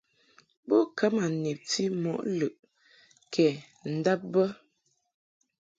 Bo ka ma nebti mɔ lɨʼ kɛ ndab bə.